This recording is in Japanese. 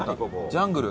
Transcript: ジャングル。